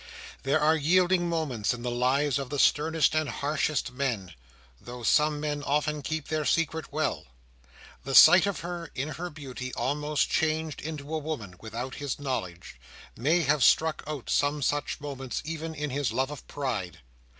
There are yielding moments in the lives of the sternest and harshest men, though such men often keep their secret well. The sight of her in her beauty, almost changed into a woman without his knowledge, may have struck out some such moments even in his life of pride.